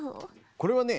これはね